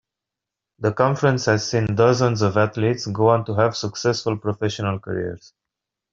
The Conference has seen dozens of athletes go on to have successful professional careers.